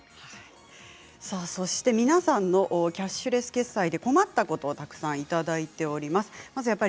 そして皆さんのキャッシュレス決済で困ったことをたくさんいただきました。